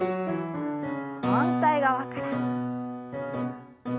反対側から。